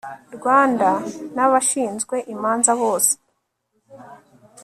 rwanda, n'abashinzwe imanza bose